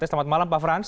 selamat malam pak frans